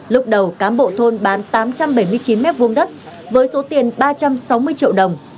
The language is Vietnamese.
lúc đầu cán bộ thôn bán tám trăm bảy mươi chín m hai đất với số tiền ba trăm sáu mươi triệu đồng